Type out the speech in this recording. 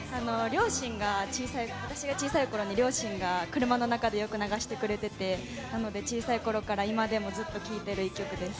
両親が、私が小さいころに両親が車の中でよく流してくれてて、なので小さいころから、今でもずっと聴いてる１曲です。